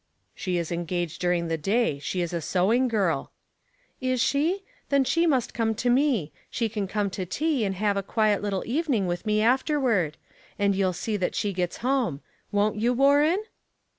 " She is engaged during the day. She is a sewing girl." " Is she ? Then she must come to me. She can come to tea, and have a quiet little even ing with me afterward ; and you'll see that slie gets home. Won't you, Warren?"